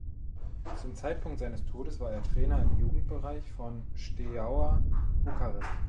Zum Zeitpunkt seines Todes war er Trainer im Jugendbereich von Steaua Bukarest.